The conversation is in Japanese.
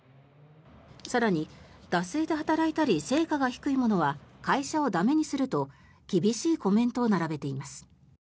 更に、惰性で働いたり成果が低い者は会社を駄目にすると厳しいコメントを並べています。